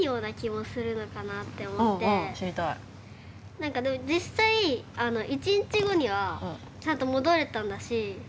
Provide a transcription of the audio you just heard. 何かでも実際１日後にはちゃんと戻れたんだし。